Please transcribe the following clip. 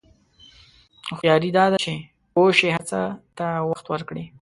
هوښیاري دا ده چې پوه شې هر څه ته وخت ورکړې.